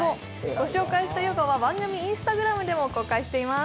ご紹介したヨガは番組Ｉｎｓｔａｇｒａｍでも紹介しています。